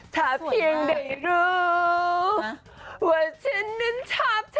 ถ้าเพียงได้รู้ว่าฉันนั้นชอบเธอ